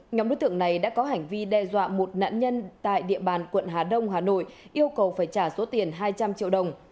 nhóm đối tượng này đã có hành vi đe dọa một nạn nhân tại địa bàn quận hà đông hà nội yêu cầu phải trả số tiền hai trăm linh triệu đồng